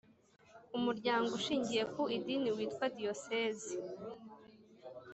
Umuryango Ushingiye ku Idini witwa Diyosezi